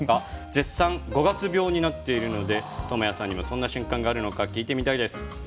絶賛五月病になっているので倫也さんにそんな瞬間があるのか聞いてみたいです。